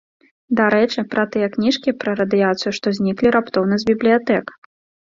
Дарэчы, пра тыя кніжкі пра радыяцыю, што зніклі раптоўна з бібліятэк.